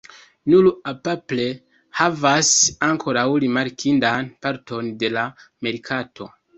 Nur Apple havas ankoraŭ rimarkindan parton de la merkato.